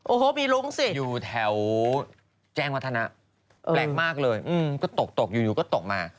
โอ้โหมีรุ้งสิอยู่แถวแจ้งวัฒนะแปลกมากเลยก็ตกตกอยู่ก็ตกมา